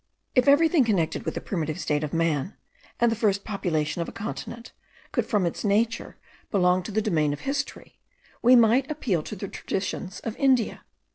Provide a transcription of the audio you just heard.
If everything connected with the primitive state of man, and the first population of a continent, could from its nature belong to the domain of history, we might appeal to the traditions of India.